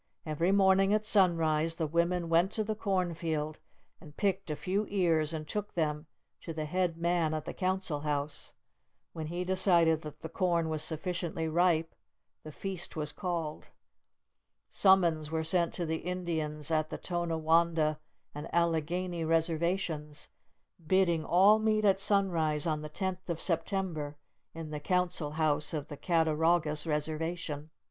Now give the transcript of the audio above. Every morning at sunrise, the women went to the cornfield and picked a few ears, and took them to the Head Man at the Council House. When he decided that the corn was sufficiently ripe, the Feast was called. Summons were sent to the Indians at the Tonawanda and Allegany Reservations, bidding all meet at sunrise on the tenth of September, in the Council House of the Cattaraugus Reservation.